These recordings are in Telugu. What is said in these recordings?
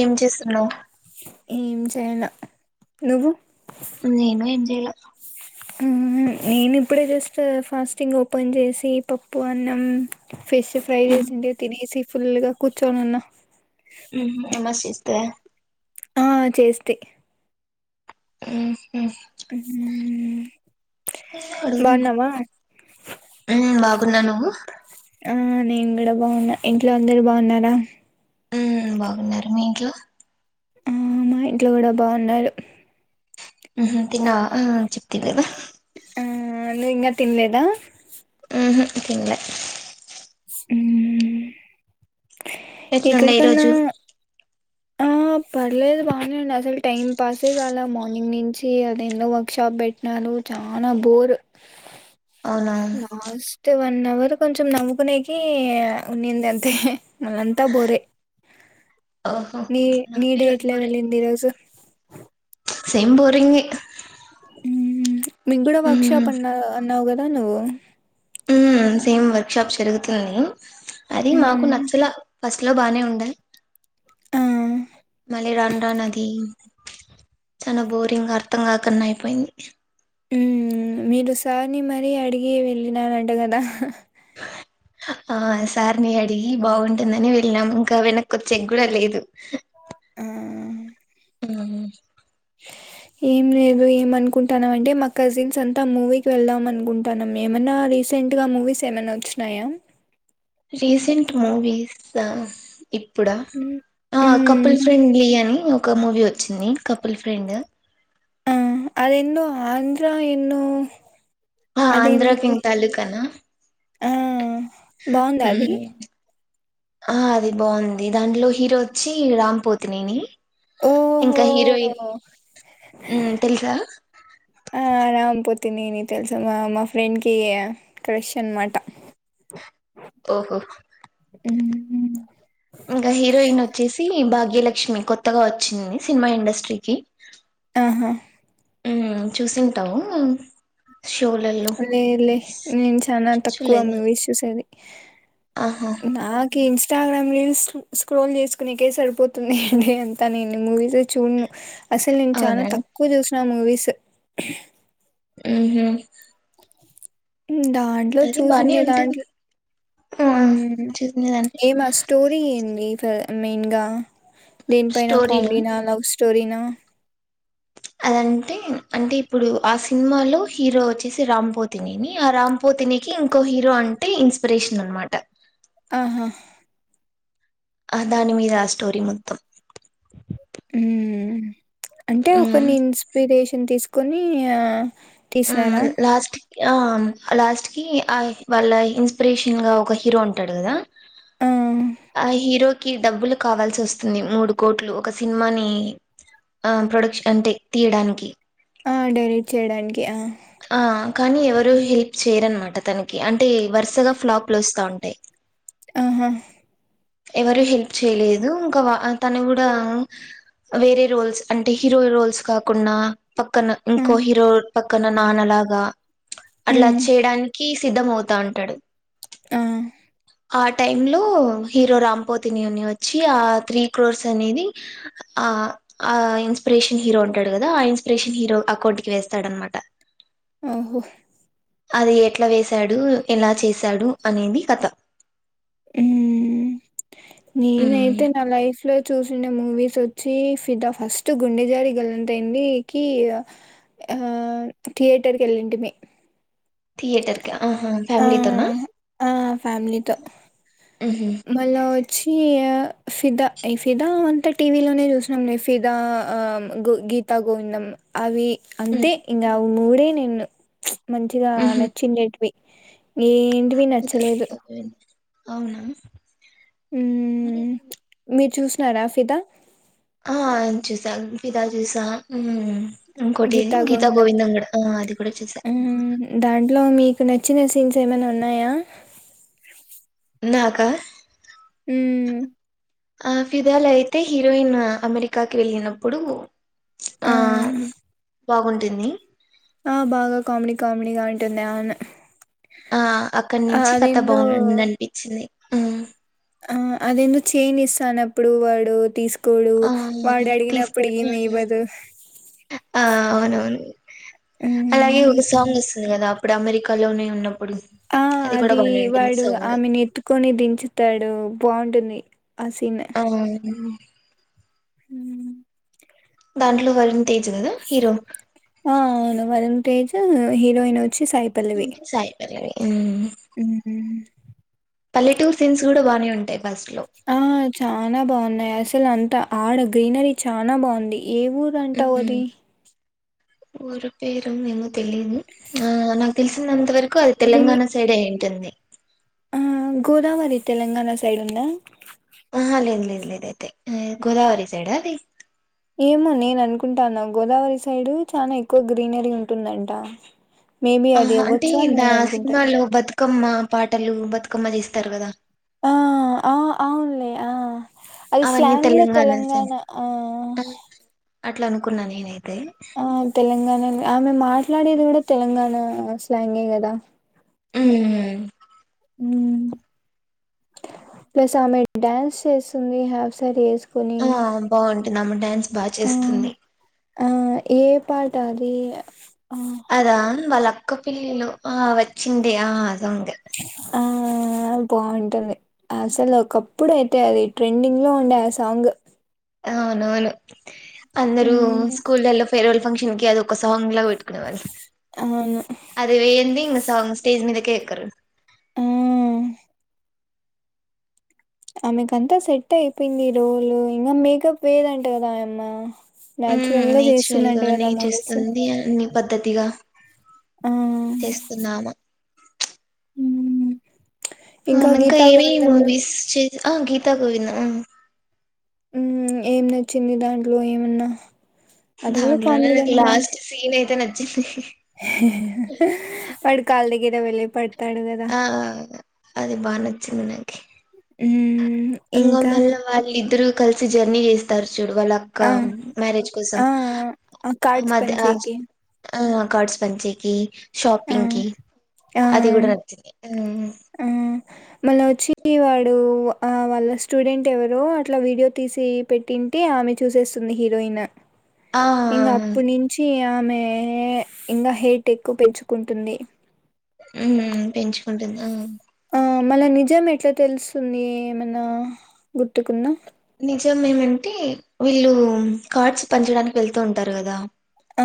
ఏం చేస్తున్నావు ఏం చేయలే నువ్వు నేను ఏం చేయలా నేను ఇప్పుడే జస్ట్ ఫాస్టింగ్ ఓపెన్ చేసి పప్పు అన్నం ఫిష్ ఫ్రై చేసింటే తినేసి ఫుల్ గా కూర్చోనున్న మ్హు నామజ్ చేస్తీవా ఆ చేస్తి హు మ్ హుమ్ బాగున్నావా మ్ బాగున్నా నువ్వు ఆ నేను కూడా బాగున్నా ఇంట్లో అందరు బాగున్నారా హుమ్ బాగున్నరు మీ ఇంట్లో మ్ మా ఇంట్లో కూడా బాగున్నారు మ్ హు తిన్నవా ఆ చెప్తివి కద ఆ నువ్ ఇంగా తింన్లేదా మ్ హు తిన్లే ఉమ్ ఎట్లుండే ఈరోజు ఆ ఆ పర్లేదు బాగానే ఉండే, అసలు టైం పాసే కాలే మార్నింగ్ నించి అదే ఎన్నో వర్క్ షాప్ పెట్టిన నువ్వు చానా బోర్ అవునా లాస్ట్ వన్ న్నవర్ కొంచెం నవ్వు కునేకి ఉనింది అంతే అంతా బోరే ఓహో నీ నీ నాకు ఈరోజు డెట్ల బోరే ఎవళ్ళింది ఈరోజు సేమ్ బోరింగే మీక్కుడా వర్క షాప్ అన్నా అన్నావు కదా నువ్వు. హు మ్మ్ సేమ్ వర్క్ షాప్ జరుగుతుంది. అది మాకు హ్మ్. నచ్చలే ఫస్ట్ లో బానే ఉండే ఆ మళ్లీ రాను రాను అది. చానా బోరింగ్ అర్థం కాకన్నా అయిపోయింది. హుమ్ మీరు సార్ని మరీ అడిగి వెళ్ళినారంట కదా ఆ సార్ నీ అడిగి బాగుంటుందని వెళ్ళినాము ఇంకా వెనక్కి వచ్చేకి కూడా లేదు. ఆ ఉమ్ ఏం లేదు ఏమనుకుంటాన్నాము అంటే మా కజిన్స్ అంతా మూవీకి వెళ్దామని అనుకుంటాన్నాము ఏమన్నా రీసెంట్గా మూవీస్ ఏమన్నా వచ్చినాయా. రీసెంట్ మూవీస్ ఆ ఇప్పుడా హ్మ్. ఆ కపుల్ హ్మ్. ఫ్రెండ్లీ అనీ ఒక్క మూవీ వచ్చింది కపుల్ ఫ్రెండ్ ఆ అదేందో ఆంధ్ర ఏన్నో ఆ ఆంధ్రకింగ్ తాలుకన ఆ బాగుందా అది మ్మ్ ఆ అది బాగుంది దాంట్లో హీరో వచ్చి రామ్ పోతినేని ఓహో ఇంకా హీరోయిన్ ఉమ్ తెలుసా పోతినేని తెలుసా మా మా ఫ్రెండ్కి క్రష్ అన్నమాట ఓహో ఇంకా హీరోయిన్ వచ్చేసి భాగ్యలక్ష్మి కొత్తగా వచ్చింది సినిమా ఇండస్ట్రీకి ఆహా మ్మ్ చూసింటావు. షోలలో లేద్లే నేను చానా తక్కువ చూడలేదా మూవీస్ చూసేది. ఆహా నాకి ఇన్స్ న్స్టాగ్రామ్ రీల్స్ స్క్రోల్ చేసుకునికే సరిపోతుంది. డే అంతా నేను మూవీస్ ఏ చూడ్ను అసలు నేను చానా అవునా తక్కువ చూసిన మూవీస్. ఉమ్ హ్మ్ దాంట్లో అది బానే చూసిండే ఉంటుంది దాంట్లో ఆ ఉమ్ చూసిన దాంట్లో ఏమి ఆ స్టోరీ ఏంది ఫ మెయిన్గా దేనిపైన స్టోరీలో కామెడీనా లవ్ స్టోరీనా అదంటె అంటే ఇప్పుడు ఆ సినిమాలో హీరో వచ్చేసి రామ్ పోతినేని ఆ రామ్ పో ఇతనికి ఇంకో హీరో అంటే ఇన్స్పిరేషన్ అన్నమాట ఆహా ఆ దాని మీద ఆ స్టోరీ మొత్తం. ఉమ్ అంటే ఉమ్ ఒకన్ని ఇన్స్పిరేషన్ తీసుకొని ఆ ఉం తీసినారా లాస్ట్కి ఆమ్ లాస్ట్ కి ఆల్ వాళ్ళ ఇన్స్పిరేషన్ గా ఒక హీరో ఉంటాడు కదా ఆహ్ ఆ హీరోకి డబ్బులు కావాల్సి వస్తుంది. మూడు కోట్లు ఒక సినిమాని ఆ ప్రొడక్షన్ అంటే తీయడానికి ఆ డైరెక్ట్ చేయడానికి ఆ ఆ కానీ ఎవరు హెల్ప్ చేయరనమాట తనకి అంటే వరుసగా ఫ్లాప్లుస్తా ఉంటాయి ఆహా ఎవరు హెల్ప్ చేయలేదు ఇంకా వా అతను కూడా వేరే రోల్స్ అంటే హీరో రోల్స్ కాకున్నా పక్కన ఆ ఇంకో హీరో పక్కన నాన్నలాగా అట్లా హ్మ్ చేయడానికి సిద్ధమవుతా ఉంటాడు ఆ ఆ టైంలో హీరో రామ్పోతినిని వచ్చి ఆ త్రీ క్రోర్స్ అనేది ఆ ఆ ఇన్స్పిరేషన్ హీరో ఉంటాడు కదా ఆ ఇన్స్పిరేషన్ హీరో అకౌంట్ కి వేస్తాడ అనమా ఆహో అది ఎట్లా వేసాడు ఎలా చేశాడు అనేది కథ ఉమ్ ఉమ్ నేనైతే నా లైఫ్ లో చూసిన మూవీస్ స్ వచ్చి ఫిదా ఫస్ట్ గుండె జారి గల్లంతైంది కి ఆ థియేటర్కి ఎళ్ళింటిమీ థయేటర్కి ఆహా ఫమలీతోనా ఆ ఫ్యామిలీతో మళ్ళ వచ్చి ఫిదా ఈ ఫిదా అంతా టీవీలోనే చూసినాం ఫిదా ఆ గీతా గోవిందం అవి అంతే ఉమ్ ఇంకా మూడే నేను మంచిగా ఉహు నచ్చండేటివి ఏంటివి ఫిదా నచ్చలేదు గీత గోవింద్ అవునా మ్మ్ మీరు చూసినారా ఫిదా ఆ చూసా పితా చూసా ఇంకోటేది గీతా గోవిందం కూడా ఆ అది కూడా చూసా మ్ దాంట్లో మీకు నచ్చిన సీన్స్ ఏమైనా ఉన్నాయా నాకా మ్మ్ ఆ ఫిదాలు అయితే హీరోయిన్ అమెరికాకి వెళ్ళినప్పుడు ఆ బాగుంటుంది ఆ బాగా కామెడీ కామెడీగా ఉంటుంది ఆవును ఆ అక్కడి నుంచి కథ బానే వుందనిపించ్చింది. ఆ అదెందో చైన్ ఇస్తానప్పుడు వాడు తీసు కొడు ఆ వాడు అడిగినప్పుడు తీసుకోవడం ఈమె ఇవ్వదు ఆ అవునవును అలాగే హ్మ్. ఒక సాంగ్ వస్తుంది గదా అప్పుడు అమెరికాలోనే ఉన్నాం ఆ అది వాడు ఆమెను ఎత్తుకొని దించుతాడు బాగుంటుంది. ఆ మ్ మ్మ్ దాంట్లో వరున్ తేజ్ గదా హీరో ఆ అవును వరున్ తేజ్ హీరోయిన్ వో చ్చి సాయి పల్లవి సాయి పల్లవి పల్లె టూరి సీన్స్ గూడా బాగానే ఉంటాయి ఫస్ట్ లో ఆ చానా బాగున్నాయి అసలు అంత ఆడ గ్రీనరీ చానా బావుంది. ఏ ఊరు అంటావు అది ఊరి పేరు ఏమొ తెలియదు ఆ నాకు తెలిసినంతవరకు అది తెలంగాణ సైడ్ ఏ అయింటుంది మ్మ్ గోదావరి తెలంగాణ సైడ్ ఉందా ఆహా లేదు లేదు లేదు అయితే గోదావరి సైడ్ అది ఏమో నేను అనుకుంటాన గోదావరి సైడ్ చాలా ఎక్కువ గ్రీనరీ ఉంటుందంట మేబీ ఆహ అది అంటే అవ్వచ్చు అని దా నేను అనుకుంటాను. సినిమాలో బతుకమ్మ పాటలు బతుకమ్మ దీస్తారు గదా ఆ ఆ అవులే ఆ అది అవన్నీ స్లాంగ్ లో తెలంగాణ సైడ్ ఆ ఆ, అట్లా అనుకున్నా నేనై ఆ తెలంగాణ ఆమె మాట్లాడేది కూడా తెలంగాణ స్లాంగే గదా ఉ మ్మ్ మ్మ్ ప్లస్ ఆమె డ్యాన్స్ చేస్తుంది ఆఫ్ సారీ వే కొని నామ డ్యాన్స్ బాగా చేస్తుంది పాడతాది అదా వాళ్ళ అక్క పిల్లలు ఆ వచ్చిందే ఆ అదుంది మ్ అ బాగుంటుంది అసలు ఒకప్పుడు అయితే అది ట్రెండింగ్ లో ఉండే ఆ సాంగ్ అవునవును అందరు హ్మ్. స్కూల్ డే లో ఫేర్వల్ ఫంక్షన్ కి అదో ఒక సాంగ్ లా పొట్టుకొనేవాళ్ళు అవును. అది వేంయంది ఇంగ సాంగ్ స్టేజ్ మీద కే ఎక్కరు మ్మ్ ఆమెకంతా సెట్ అయిపోయింది ఈ రోజు ఇంకా మేకప్ వేదంట కదా ఆయమ్మ ఉమ్ నాచురల్ గా నేచురల్ చేస్తుందంట కదా మూవీస్ పద్దతిగా ఆ చేస్తుంది ఆమె ఉమ్. ఆమె ఇంకా గీతా ఏమే గోవిందంలో మూవీస్ చే ఆ గీతా గోవింద్ ఆ ఉ ఏం నచ్చింది దాంట్లో ఏమన్నా అది కూడా దాంట్లోనే కామెడీ నాకు గానే బాగుటుంది లాస్ట్ సీన్ అయితే నచ్చింది వాడు కాళ్లదగ్గర వేళ్ళి పడి ఆ అది బాగా నచ్చింది నాకి హ్మ్మ్ ఇంగ మళ్ళ వాళ్ళు ఇద్దరు కలిసి జర్నీ చేస్తారు చూడు వాళ్ళక్క ఆ మ్యారేజ్ కోసం ఆ ఆ అ కార్డ్స్ మధ్య పంచేకి ఆ కార్డ్స్ పంచేకి ఆ షాపింగ్కి అది ఆ కూడా నచ్చింది మళ్ళ వచ్చి వాడు ఆ వాళ్ళ స్టూడెంట్ ఎవరో అట్లా వీడియో తీసి పెట్టి టే ఆమె చూసేస్తుంది హీరోయిన్ ఆ ఇంకా అప్పుటి నుంచి ఆమె ఇంకా హెట్ ఎక్కువ పెంచు కుంటుంది హ్మ్మ్ పెంచుకుంటుంది ఆ ఆ మళ్ల నిజం ఎట్లా తెలుస్తుంది ఎమైన గుర్తుకుందా నిజంఎమంటే వీళ్ళు కార్డ్స్ పంచడానికి వెళ్తూ ఉంటారు కదా ఆ!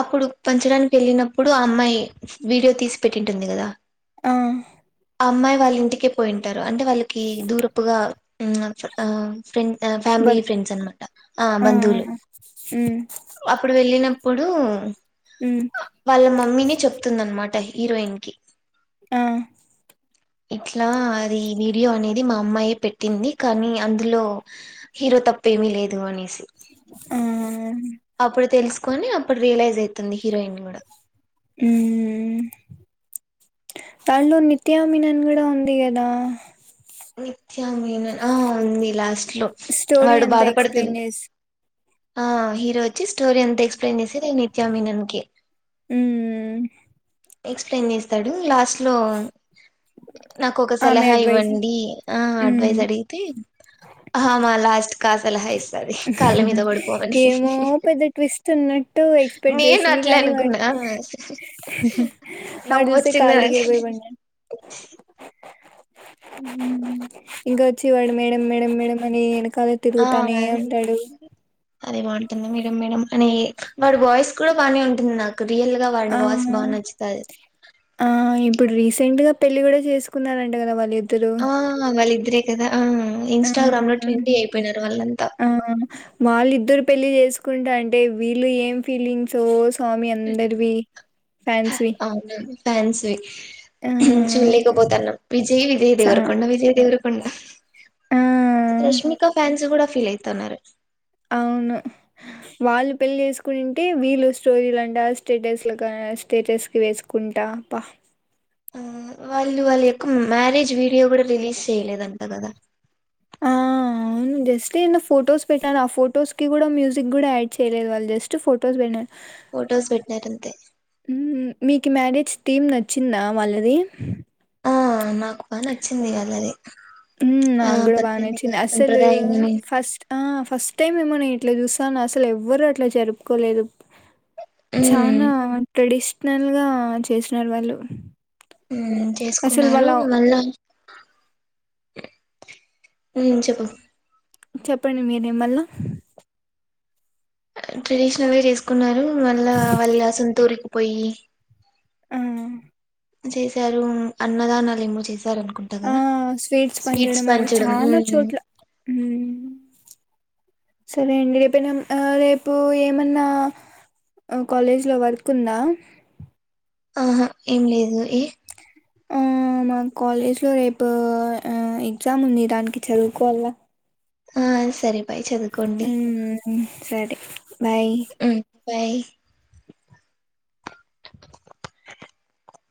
అప్పుడు పంచడానికి వెళ్ళినప్పుడు ఆ అమ్మాయి వీడియో తీసి పెట్టింటుంది కదా ఆ ఆ అమ్మాయి వాళ్ళ ఇంటికే పోయింటారు అంటే వాళ్ళకి దూరపుగా ఉ ఆ ఫ్రెండ్ ఫ్యామిలీ బన్ ఫ్రెండ్స్ అనమాట ఆ బంధువులు హ్మ్. అప్పుడు వెళ్ళిన ప్పుడు హ్మ్. వాళ్ళ మమ్మీనే చెప్తుంది అనమాట హీరోయిన్ కి ఆ ఇట్లా అది వీడియో అనేది మా అమ్మాయే పెట్టింది కానీ అందులో రో తప్పు ఏమీ లేదు అనేసి ఆ కొని అప్పుడు రియలైజ్ అవుతుంది హీరోయిన్ కూడా హ్మ్మ్ తానీలో నిత్యామినన్ కూడా ఉంది కదా నిత్యమినన్ ఆ ఉంది లాస్ట్ లో స్టోరీ వాడు అంతా ఎక్స్‌ప్లెయిన్ బాధపడుతుంట చేసి ఆ హీరో వచ్చి స్టోరీ అంత ఎక్స్ప్లెయిన్ చేసేది నిత్యామీనన్కి హ్మ్. ఎక్స్ప్లెయిన్ చేస్తాడు లాస్ట్ లో నాకు ఒక ఆమె సలహా అడ్వైస్. ఇవ్వండి ఆ హ్మ్. అడ్వైజ్ అడిగితే అమె లాస్ట్ కా సలహా ఇస్తంది కాళ్ళ మీద పడిపోమని ఏమో పెద్ద ట్విస్ట్ ఉన్నట్టు ఎక్స్పెక్ట్ నేను నా ను చేసింది అట్లే కానీ వాడు అనుకున్నా వాడు చూస్తే నవ్వొచ్చింది కాళ్ళ నాక్ దగ్గర పోయి పడినాడు ఇంకా వచ్చివాడు మేడం మేడం మేడం అని వెనకాలే తిరుగుతానే ఉంటాడు అదేదో బాగుంటుంది మేడం మేడం అనే వాడు వాయిస్ కూడా బాగానే ఉంటుంది నాకు రియల్ గా వాడి ఆ వాయిస్ బాగా నచ్చుతది ఆ ఇప్పుడు రీసెంట్ గా పెళ్లి కూడా చేసుకున్నారంట కదా ఇద్ద ఆ వాళ్ళిద్దరే కదా ఆ ఆ ఇన్స్టాగ్రామ్ లో ట్రెండీ అయిపోయినారు వాళ్ళంతా ఆ వాళ్ళు ఇద్దరు పెళ్ళి చేసుకుంటా అంటే వీళ్ళు ఏం ఫీలింగ్స్ స్వామి అందరివి ఫ్యాన్స్ వి అవును ఫ్యాన్స్ వి చుల్లేకపోతాన్నా విజయ్ విజయ్ చా దేవరకొండ విజయ్ దేవరకొండ చూడలేకపోతున్నా ఆ రష్మికా ఫ్యాన్స్ గూడా ఫీల్ అయితన్నారు అవును వాళ్ళు పెళ్ళి చేసుకునింటే వీళ్ళు స్టోరీలంట స్టేటస్లు కా అ స్టేటస్ కి వేసుకుంటా ప్ప ఆ వాళ్ళు వాళ్ళు యెక్కు మ్యారేజ్ వీడియో గూడా రిలీజ్ చేయలేదంట గదా. ఆ అవును జస్ట్ ఏన్నో ఫొటోస్ పెట్నార్, ఆ ఫోటోస్ కి గూడా, మ్యూజిక్ గూడా యాడ్ చేయలేదు వాళ్, జస్ట్ ఫొటోస్ వెన్న. ఫొటోస్ పెట్నారు అంతే కి మ్యారేజ్ టీం నచ్చిందా వాళ్ళది ఆ నాకు బా నచ్చింది ఆళ్లది ఉమ్ నాగ్గూడా బా నచ్చింది అసలు ఫస్ట్ ఆ ఫస్ట్ టైం ఏమో నేను ఇట్లా చూస్సాన్న అసలు ఎవ్వరు అట్లా జరుపుకోలేదు. ఉమ్ చానా ట్రెడిషనల్ గా చేసినారు వాళ్ళు ఊమ్ అసలు చేసుకున్నారు వాళ్ళ మళ్ళా ఊం చెప్పు చెప్పండి మీరే మల్ల ట్రెడిషనల్ గా చేసుకున్నారు మళ్ళా వాళ్ళ సొంత ఊరికి పోయ్యి ఆ చేసారూమ్ అన్నదానాలేమో చేసి ఆ స్వీట్స్ పంచడం అనేది చాలా చోట్ల సరే అండి రేపునం రేపూ ఏమన్నా ఆ కాలేజ్ లో వర్క్ ఉందా ఆహా ఏం లేదు ఏ ఆ ఆ మా కాలేజ్ లో రేపు ఆ ఎగ్జామ్ ఉంది దానికి చదువుకోవాల్ల ఆ సరే బాయ్ చదువుకోండి ఊమ్ సరే బాయ్ మ్మ్ బాయ్